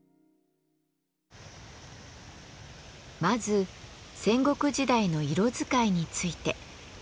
まず戦国時代の色使いについて。